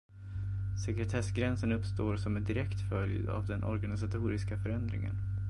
Sekretessgränsen uppstår som en direkt följd av den organisatoriska förändringen.